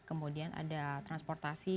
kemudian ada transportasi